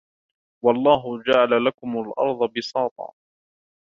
وَاللَّهُ جَعَلَ لَكُمُ الْأَرْضَ بِسَاطًا